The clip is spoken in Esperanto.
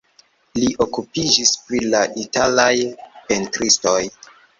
Li okupiĝis pri la italaj pentristoj.